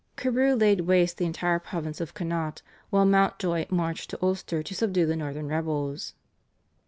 Carew laid waste the entire province of Connaught, while Mountjoy marched to Ulster to subdue the Northern rebels.